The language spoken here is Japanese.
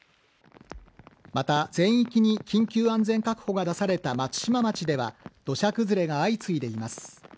また、全域に緊急安全確保が出された松島町では土砂崩れが相次いでいます。